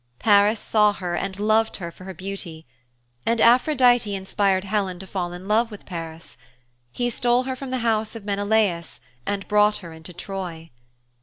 Paris saw her and loved her for her beauty. And Aphrodite inspired Helen to fall in love with Paris. He stole her from the house of Menelaus and brought her into Troy.